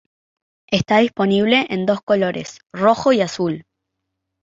Está disponible en dos colores, Rojo y Azul.